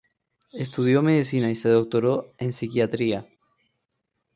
Estudió Medicina y se doctoró en Psiquiatría.